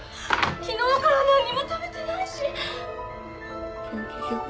昨日から何にも食べてないし。